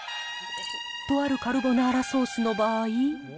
とあるカルボナーラソースの場合。